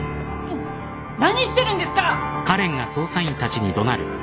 何してるんですか！？